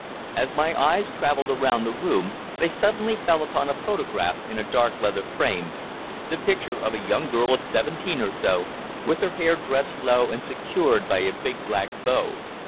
As my eyes travelled around the room, they suddenly fell upon a photograph in a dark leather frame, the picture of a young girl of seventeen or so, with her hair dressed low and secured by a big black bow.